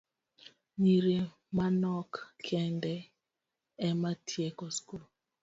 Nyiri manok kende ema tieko skul.